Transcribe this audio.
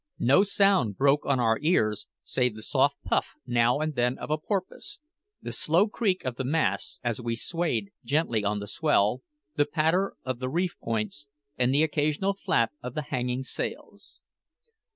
No sound broke on our ears save the soft puff now and then of a porpoise, the slow creak of the masts as we swayed gently on the swell, the patter of the reef points, and the occasional flap of the hanging sails.